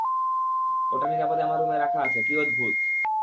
ওটা নিরাপদে আমার রুমে রাখা আছে, কি অদ্ভুত!